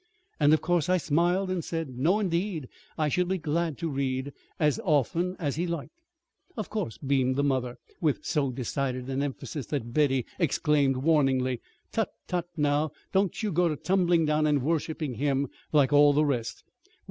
And of course I smiled and said no, indeed, I should be glad to read as often as he liked." "Of course!" beamed the mother, with so decided an emphasis that Betty exclaimed warningly: "Tut, tut, now! Don't you go to tumbling down and worshiping him like all the rest."